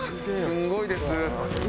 すごいです。